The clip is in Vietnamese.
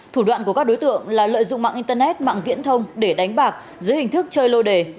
thủ đoạn của các đối tượng là lợi dụng mạng internet mạng viễn thông để đánh bạc dưới hình thức chơi lô đề